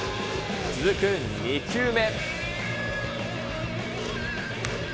続く２球目。